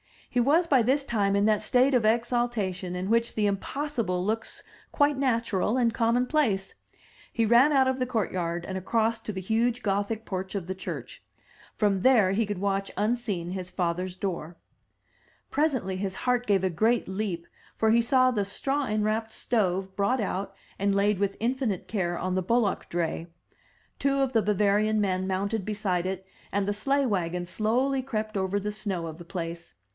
He was by this time in that state of exaltation in which the impossible looks quite natural and commonplace. He ran out of the court yard, and across to the huge Gothic porch of the church. From there he could watch unseen his father's door. 296 THE TREASURE CHEST Presently his heart gave a great leap, for he saw the straw enwrapped stove brought out and laid with infinite care on the bullock dray. Two of the Bavarian men mounted beside it, and the sleigh wagon slowly crept over the snow of the place.